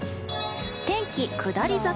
天気下り坂。